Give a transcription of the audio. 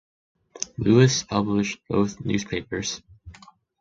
Lewis published both newspapers.